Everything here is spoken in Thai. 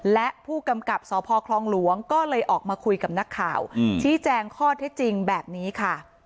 และผู้กำกับสพคลองหลวงก็เลยออกมาคุยกับนักข่าวชี้แจงข้อเท็จจริงแบบนี้ค่ะ